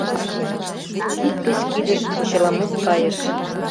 Кид гыч кидыш почеламут кайыш.